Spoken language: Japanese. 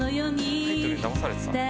タイトルにだまされてた。